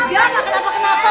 udah maka kenapa kenapa